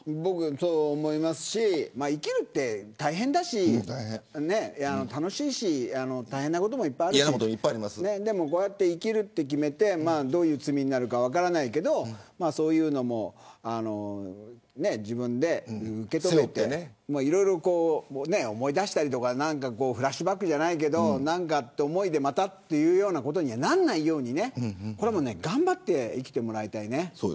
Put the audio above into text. そう思いますし生きるのは大変だし楽しいし大変なこともいっぱいあるしでも生きるって決めてどういう罪になるか分からないけど自分で受け止めてフラッシュバックじゃないけどそういう思いでまたということにならないように頑張って生きてもらいたい。